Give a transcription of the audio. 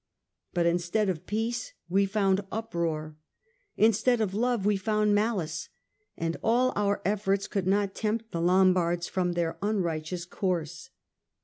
But instead of peace we found uproar ; instead of love we found malice ; and all our efforts could not tempt the Lombards from their unrighteous course.